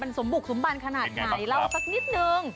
สมบุกสมบันขนาดไหนเล่าสักนิดนึง